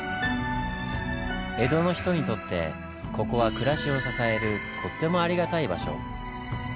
江戸の人にとってここは暮らしを支えるとってもありがたい場所。